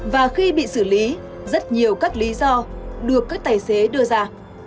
và khi bị xử lý rất nhiều các lý do được các tài xế đưa ra